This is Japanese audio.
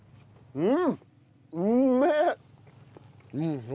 うん。